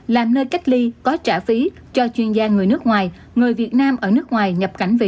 làm nơi cách ly có trả phí cho chuyên gia người nước ngoài người việt nam ở nước ngoài nhập cảnh về